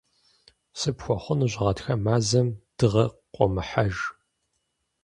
Сыпхуэхъунущ гъатхэ мазэм дыгъэ къуэмыхьэж.